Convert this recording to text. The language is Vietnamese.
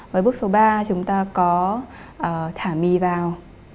với bước số ba chúng ta có thả mì vào